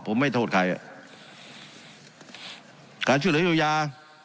ผมไม่โทษใครอ่ะการชุดโดยโยยา